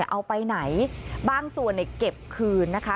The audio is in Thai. เอาไปไหนบางส่วนเก็บคืนนะคะ